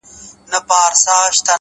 o جواب را كړې ـ